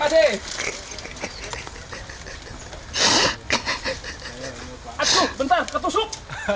aduh bentar ketusuk